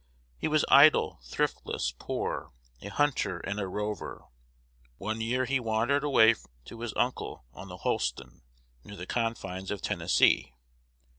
He was idle, thriftless, poor, a hunter, and a rover. One year he wandered away off to his uncle, on the Holston, near the confines of Tennessee.